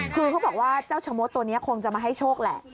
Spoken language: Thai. คือเขาบอกว่าเจ้าชะมดตัวนี้คงจะมาให้โชคแหละ